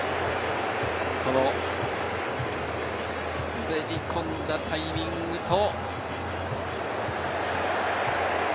滑り込んだタイミングと。